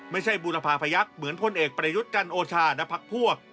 บูรพาพยักษ์เหมือนพลเอกประยุทธ์จันโอชาณพักพวก